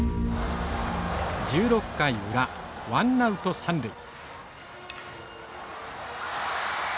１６回裏ワンナウト三塁。